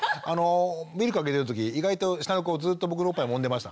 ミルクあげてる時意外と下の子ずっと僕のおっぱいもんでましたから。